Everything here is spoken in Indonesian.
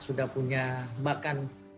sudah punya bahkan